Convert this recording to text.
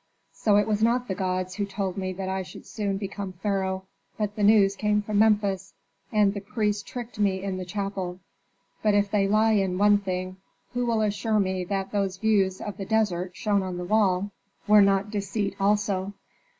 "So it was not the gods who told me that I should soon become pharaoh, but the news came from Memphis, and the priests tricked me in the chapel! But if they lie in one thing, who will assure me that those views of the desert shown on the wall were not deceit also?"